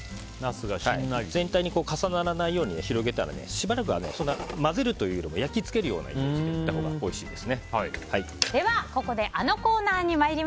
全体に重ならないように広げたらしばらくはそんなに混ぜるというより焼き付けるというイメージでいったほうがで